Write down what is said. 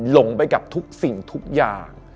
ลงไปกับทุกสิ่งทุกอย่าง